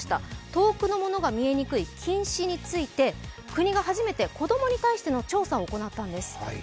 遠くのものが見えにくい近視について、国が初めて子供に対しての調査を行ったんです。